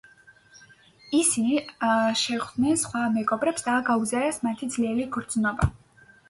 ისინი შეხვდენენ სხვა მეგობრებს და გაუზიარეს მათი ძლიერი გრძნობა.